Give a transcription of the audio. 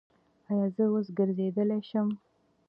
ایا زه اوس ګرځیدلی شم؟